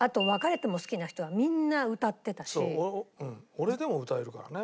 俺でも歌えるからね。